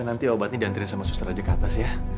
nanti obat ini diantirin sama suster aja ke atas ya